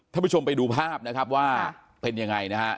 ท่านผู้ชมไปดูภาพนะครับว่าเป็นยังไงนะฮะ